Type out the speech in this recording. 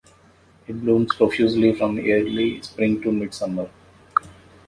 It blooms profusely from early spring to mid summer.